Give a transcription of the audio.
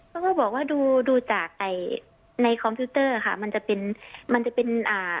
ก็บอกว่าดูดูจากไอ้ในคอมพิวเตอร์ค่ะมันจะเป็นมันจะเป็นอ่า